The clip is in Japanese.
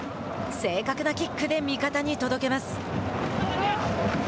正確なキックで味方に届けます。